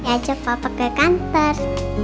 ajak papa ke kantor